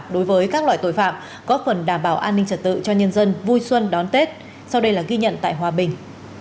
đối với các loại tội phạm có phần đảm bảo an ninh trật tự cho nhân dân vui xuân đón tết sau đây là ghi nhận tại hòa bình